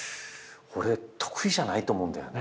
俺得意じゃないと思うんだよね。